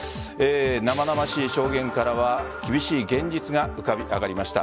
生々しい証言からは厳しい現実が浮かび上がりました。